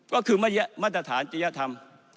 ก็คือมาตรฐานจริยธรรม